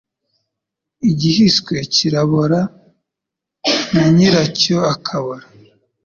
Igihiswe kirabora na nyiracyo akabora